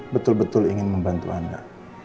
betul betul ingin membantu anda